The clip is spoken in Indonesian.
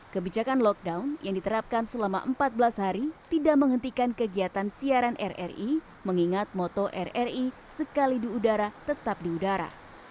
kebijakan lockdown yang diterapkan selama empat belas hari tidak menghentikan kegiatan siaran rri mengingat moto rri sekali di udara tetap di udara